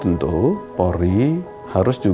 yang disampaikan oleh pemerintah